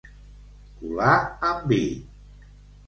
Colar en vi.